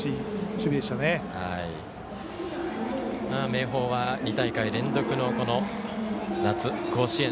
明豊は２大会連続の夏、甲子園。